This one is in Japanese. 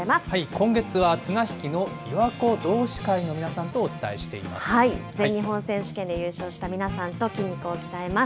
今月は綱引きのＢＩＷＡＫＯ同志会の皆さんとお伝えしていま全日本選手権で優勝した皆さんと、筋肉を鍛えます。